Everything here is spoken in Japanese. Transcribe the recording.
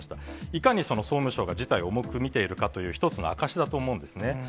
いかに総務省が事態を重く見ているかという、一つの証しだと思うんですね。